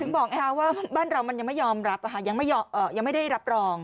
บอกว่าบ้านเรามันยังไม่ยอมรับยังไม่ได้รับรอง